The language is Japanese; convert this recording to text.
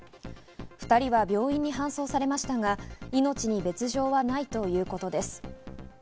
２人は病院に搬送されましたが、命に別条はないということです。